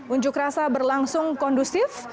unjuk rasa berlangsung kondusif